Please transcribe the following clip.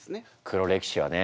「黒歴史」はね